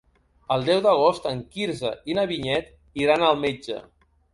El deu d'agost en Quirze i na Vinyet iran al metge.